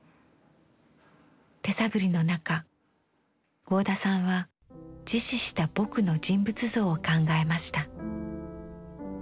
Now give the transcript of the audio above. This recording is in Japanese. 手探りの中合田さんは自死した「ぼく」の人物像を考えました。